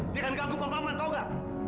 dia akan ganggu pak maman tahu enggak